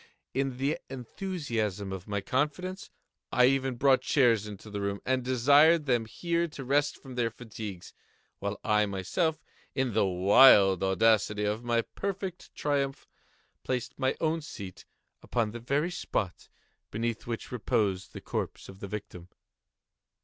In the enthusiasm of my confidence, I brought chairs into the room, and desired them here to rest from their fatigues, while I myself, in the wild audacity of my perfect triumph, placed my own seat upon the very spot beneath which reposed the corpse of the victim.